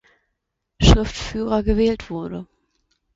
Schriftführer gewählt wurde.